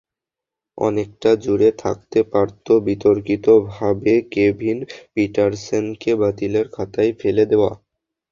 অনেকটা জুড়ে থাকতে পারত বিতর্কিতভাবে কেভিন পিটারসেনকে বাতিলের খাতায় ফেলে দেওয়া।